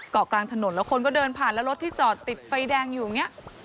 เกาะกลางถนนแล้วคนก็เดินผ่านแล้วรถที่จอดติดไฟแดงอยู่อย่างนี้